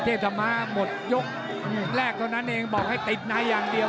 เทพจะมาหมดยกแรกตอนนั้นเองบอกให้ติดไนท์อย่างเดียว